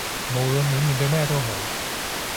無論你面對咩都好